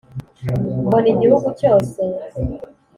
mbona igihugu cyose